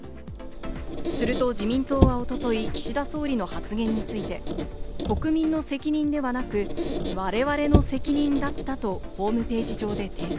すると自民党は一昨日、岸田総理の発言について、国民の責任ではなく、我々の責任だったとホームページ上で訂正。